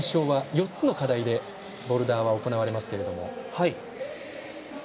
４つの課題でボルダーは行われますけれども。